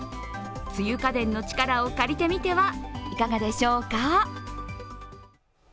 梅雨家電の力を借りてみてはいかがでしょうか。